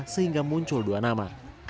sehingga muncul dua nama